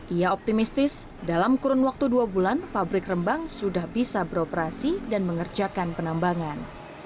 ia optimistis dalam kurun waktu dua bulan pabrik rembang sudah bisa beroperasi dan mengerjakan penambangan